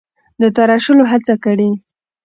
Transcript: د تراشلو هڅه کړې: